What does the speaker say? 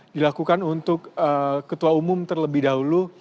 dilakukan untuk ketua umum terlebih dahulu